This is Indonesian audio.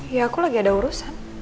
ya aku lagi ada urusan